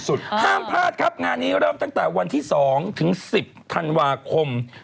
ห้ามพลาดครับงานนี้เริ่มตั้งแต่วันที่๒ถึง๑๐ธันวาคม